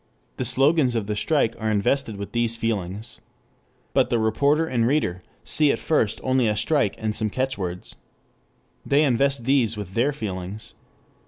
The slogans of the strike are invested with these feelings. But the reporter and reader see at first only a strike and some catchwords. They invest these with their feelings.